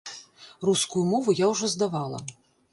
Рускую мову я ўжо здавала.